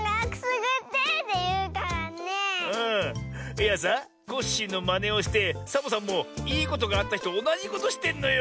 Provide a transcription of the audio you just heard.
いやさコッシーのまねをしてサボさんもいいことがあったひとおなじことしてんのよ。